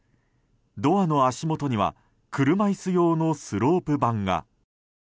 ドアの足元には車いす用のスロープ板が。